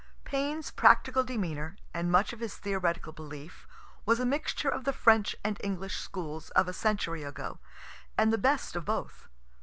Paine's practical demeanor, and much of his theoretical belief, was a mixture of the French and English schools of a century ago, and the best of both.